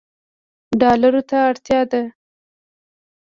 ډالرو ته اړتیا ده